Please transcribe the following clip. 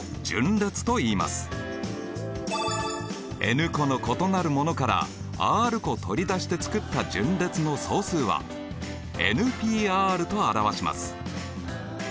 ｎ個の異なるものからｒ個取り出して作った順列の総数はＰと表します。